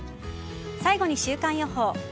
最後に週間予報。